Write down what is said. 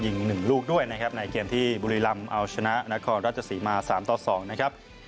ยิง๑ลูกด้วยนะครับในเกมที่บุรีรำเอาชนะนครราชสีมา๓ต่อ๒นะครับ